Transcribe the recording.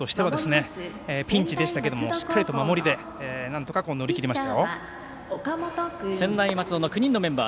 長崎商業としてはピンチでしたけれどもしっかりと守りでなんとか乗り切りました。